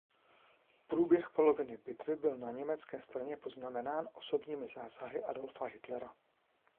Průběh poloviny bitvy byl na německé straně poznamenán osobními zásahy Adolfa Hitlera.